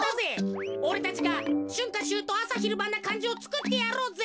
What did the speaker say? おれたちがしゅんかしゅうとうあさひるばんなかんじをつくってやろうぜ。